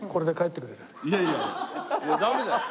いやいやダメだよ。